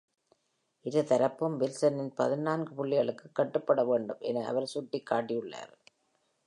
இரு தரப்பும் வில்சனின் பதினான்கு புள்ளிகளுக்கு கட்டுப்பட வேண்டும் என அவர் சுட்டிக்காட்டியுள்ளார்.